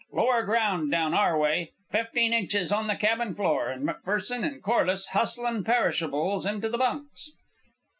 Lower ground down our way. Fifteen inches on the cabin floor, and McPherson and Corliss hustlin' perishables into the bunks."